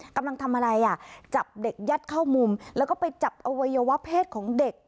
กำลังทำอะไรอ่ะจับเด็กยัดเข้ามุมแล้วก็ไปจับอวัยวะเพศของเด็ก